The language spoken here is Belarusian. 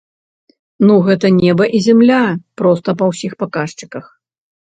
Ну гэта неба і зямля проста па ўсіх паказчыках!